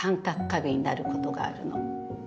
過敏になることがあるの。